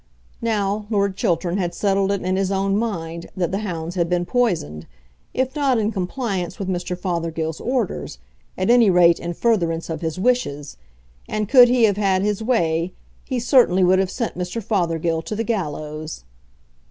Now, Lord Chiltern had settled it in his own mind that the hounds had been poisoned, if not in compliance with Mr. Fothergill's orders, at any rate in furtherance of his wishes, and, could he have had his way, he certainly would have sent Mr. Fothergill to the gallows.